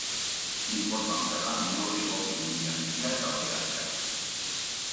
Inportantea da neurri egokidun jantziak aukeratzea.